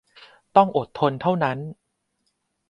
ต้องอดทนเท่านั้น